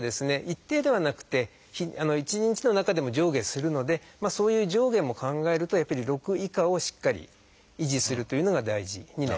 一定ではなくて１日の中でも上下するのでそういう上下も考えるとやっぱり６以下をしっかり維持するというのが大事になります。